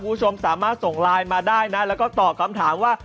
คุณผู้ชมสามารถส่งไลน์มาได้นะแล้วก็ตอบคำถามว่า